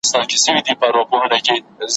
او ښکلا ته دوهمه درجه ارزښت ورکړه سوی دی `